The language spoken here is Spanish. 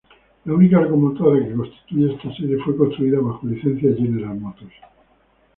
La única locomotora que constituye esta serie fue construida, bajo licencia General Motors.